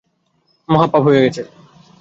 মহা পাপ হয়ে গেছে।